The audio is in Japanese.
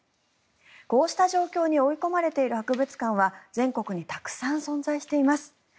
こうした状況に追い込まれている博物館は全国にたくさん存在しています。